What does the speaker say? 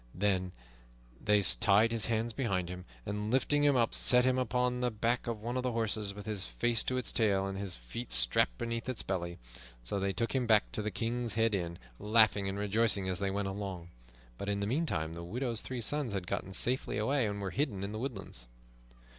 Then they tied his hands behind him, and lifting him up set him upon the back of one of the horses, with his face to its tail and his feet strapped beneath its belly. So they took him back to the King's Head Inn, laughing and rejoicing as they went along. But in the meantime the widow's three sons had gotten safely away, and were hidden in the woodlands.